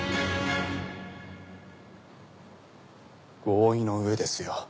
合意の上ですよ。